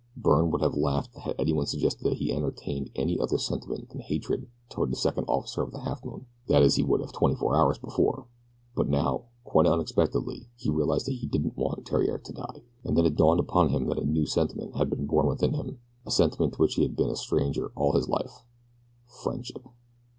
Byrne would have laughed had anyone suggested that he entertained any other sentiment than hatred toward the second officer of the Halfmoon that is he would have twenty four hours before; but now, quite unexpectedly, he realized that he didn't want Theriere to die, and then it dawned upon him that a new sentiment had been born within him a sentiment to which he had been a stranger all his hard life friendship.